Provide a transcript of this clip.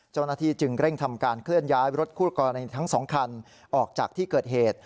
เจ้าหน้าที่จึงเร่งทำการเคลื่อนย้ายรถคู่กรณีทั้งสองคันออกจากที่เกิดเหตุ